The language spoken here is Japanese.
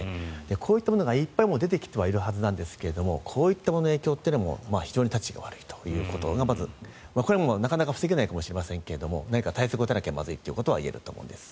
こういったものがいっぱい出てきているはずなんですがこういった影響がたちが悪いというのが１つこれはなかなか防げないかもしれませんが何か対策を打たなきゃいけないというのは言えると思います。